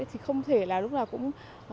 thì không thể là lúc nào cũng